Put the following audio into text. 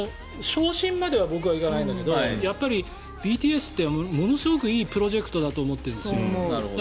傷心までは僕はいかないんだけどやっぱりＢＴＳってものすごくいいプロジェクトだと思ってるんです。